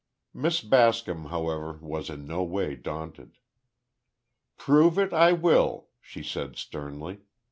Miss Bascom, however, was in no way daunted. "Prove it I will!" she said, sternly.